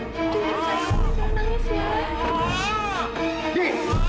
pergi kamu udah pergi